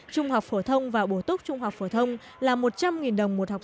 trung học phổ thông và bổ túc trung học phổ thông là một trăm linh đồng một học sinh